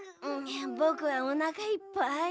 ぼくはおなかいっぱい。